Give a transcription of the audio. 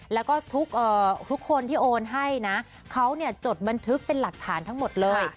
แล้วก็ทุกคนที่โอนให้นะเขาจดบันทึกเป็นหลักฐานทั้งหมดเลย